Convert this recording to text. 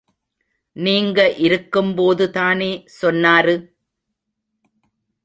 நீங்க இருக்கும் போதுதானே சொன்னாரு.